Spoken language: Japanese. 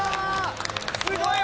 すごいわ！